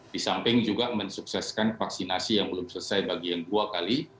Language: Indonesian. di samping juga mensukseskan vaksinasi yang belum selesai bagi yang dua kali